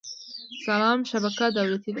سلام شبکه دولتي ده